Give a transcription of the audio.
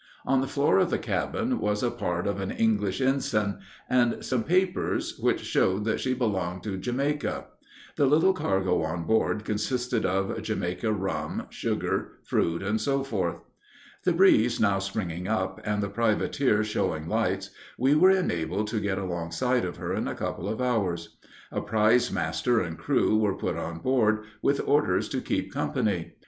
On the floor of the cabin was a part of an English ensign, and some papers, which showed that she belonged to Jamaica, The little cargo on board consisted of Jamaica rum, sugar, fruit, &c. The breeze now springing up, and the privateer showing lights, we were enabled to get alongside of her in a couple of hours. A prize master and crew were put on board, with orders to keep company.